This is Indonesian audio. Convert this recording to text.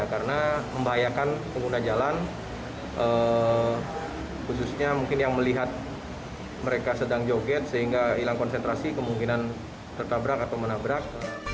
karena membahayakan pengguna jalan khususnya mungkin yang melihat mereka sedang joget sehingga hilang konsentrasi kemungkinan tertabrak atau menabrak